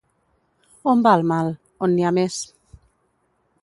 On va el mal? On n'hi ha més.